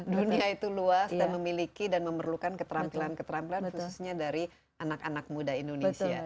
dunia itu luas dan memiliki dan memerlukan keterampilan keterampilan khususnya dari anak anak muda indonesia